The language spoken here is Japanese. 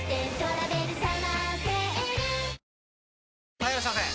・はいいらっしゃいませ！